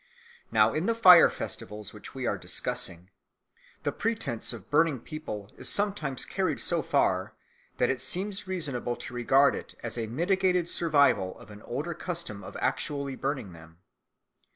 Now, in the fire festivals which we are discussing, the pretence of burning people is sometimes carried so far that it seems reasonable to regard it as a mitigated survival of an older custom of actually burning them.